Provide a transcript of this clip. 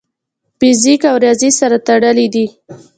فزیک او ریاضي سره تړلي دي.